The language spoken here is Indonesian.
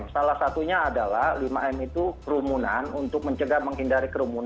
salah satunya adalah lima m itu kerumunan untuk mencegah menghindari kerumunan